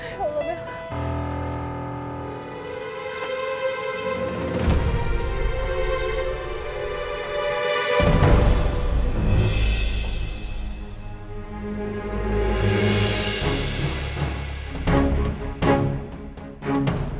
ya allah bella